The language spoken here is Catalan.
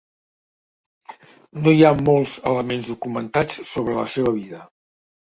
No hi ha molts elements documentats sobre la seva vida.